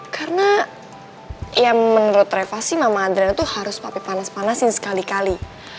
karena ya menurut reva sih mama adriana tuh harus papi panas panasin sekali kali